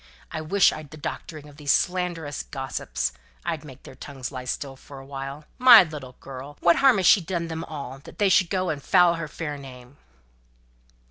I wish I'd the doctoring of these slanderous gossips. I'd make their tongues lie still for a while. My little girl! What harm has she done them all, that they should go and foul her fair name?"